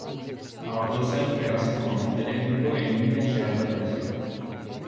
A ortosa emprégase como illante eléctrico en liñas de alta tensión.